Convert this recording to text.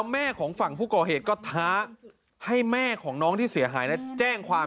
แม่ของฝั่งผู้ก่อเหตุก็ท้าให้แม่ของน้องที่เสียหายแจ้งความ